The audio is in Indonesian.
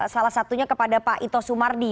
salah satunya kepada pak ito sumardi